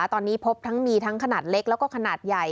ตอนนี้พบทั้งมีทั้งขนาดเล็กแล้วก็ขนาดใหญ่